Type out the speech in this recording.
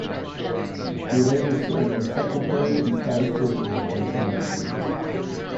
He later served as secretary and statistician for the Convention.